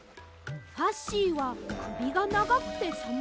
ファッシーはくびがながくてさむそうです。